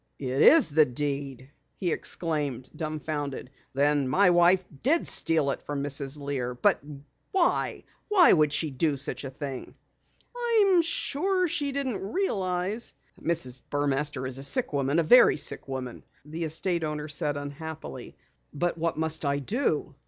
"It is the deed!" he exclaimed, dumbfounded. "Then my wife did steal it from Mrs. Lear! But why why would she do such a thing?" "I'm sure she didn't realize " "Mrs. Burmaster is a sick woman, a very sick woman," the estate owner said unhappily. "But what must I do?"